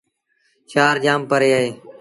شآهر جآم پري اهي ۔